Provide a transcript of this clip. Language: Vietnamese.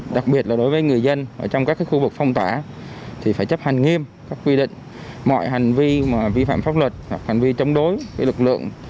đặc biệt là đối với người dân trong các khu vực phong tỏa thì phải chấp hành nghiêm các quy định mọi hành vi vi phạm pháp luật hoặc hành vi chống đối với lực lượng